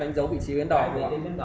đánh dấu vị trí bến đỏ tôi chưa kiểm tra